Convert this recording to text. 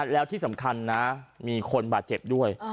แล้วที่สำคัญนะมีคนบาดเจ็บด้วย